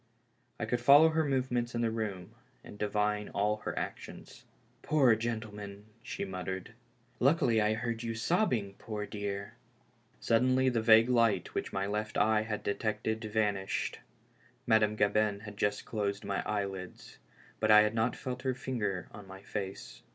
I could follow her movements in the room and divine all her actions. "Poor gentleman!" she muttered. " Luckily I heard you sobbing, poor dear." THE LAST HOPE. 249 Suddenly the vague liglit which my left eye had de tected vanished. Madame Gabin had just closed my eyelids, but I had not felt her finger on my face.